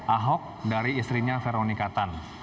ahok dari istrinya veronika tan